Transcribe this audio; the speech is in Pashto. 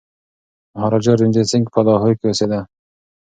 مهاراجا رنجیت سنګ په لاهور کي اوسېده.